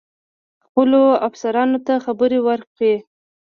خپلو افسرانو ته خبر ورکړی.